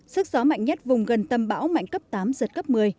sức gió mạnh nhất vùng gần tâm bão mạnh cấp tám giật cấp một mươi